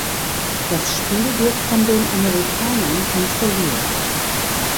Das Spiel wird von den Amerikanern kontrolliert.